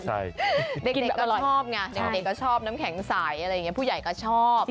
เด็กก็ชอบน้ำแข็งใสผู้ใหญ่ก็ชอบ